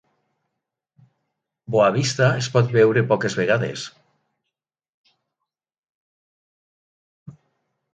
Boa Vista es pot veure poques vegades.